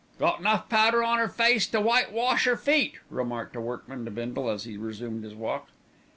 "Got enough powder on 'er face to whitewash 'er feet," remarked a workman to Bindle as he resumed his walk.